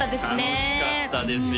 楽しかったですよ